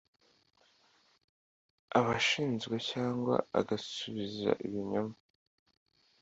abashinzwe cyangwa agasubiza ibinyoma